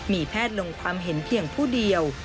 มีแพทย์ลงความเห็นเพียงผู้เดียว